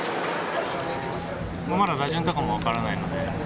まだ打順とかも分からないんで。